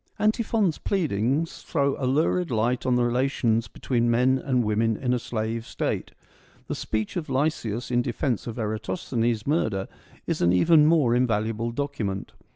Antiphon's pleadings throw a lurid light on the relations between men and women in a slave State ; the speech of Lysias in defence of Eratosthenes' murder is an even more invaluable document.